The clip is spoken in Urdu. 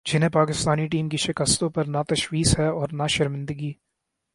جنہیں پاکستانی ٹیم کی شکستوں پر نہ تشویش ہے اور نہ شرمندگی ۔